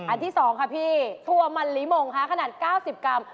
ที่๒ค่ะพี่ถั่วมันหลีมงค่ะขนาด๙๐กรัม